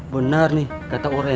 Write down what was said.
jangan cepet lah